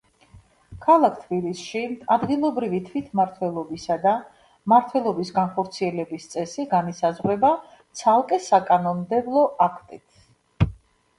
ქალაქ თბილისში ადგილობრივი თვითმართველობისა და მმართველობის განხორციელების წესი განისაზღვრება ცალკე საკანონმდებლო აქტით.